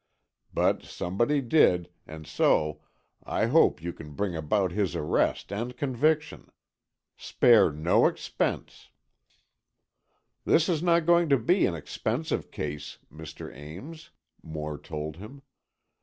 But somebody did, and so, I hope you can bring about his arrest and conviction. Spare no expense——" "This is not going to be an expensive case, Mr. Ames," Moore told him.